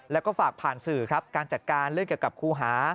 แล้วก็ฝากผ่านสื่อครับการจัดการเรื่องเกี่ยวกับครูหา